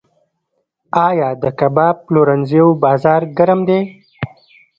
آیا د کباب پلورنځیو بازار ګرم دی؟